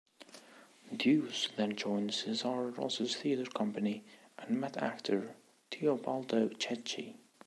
Duse then joined Cesare Rossi's theater company, and met actor Teobaldo Checchi.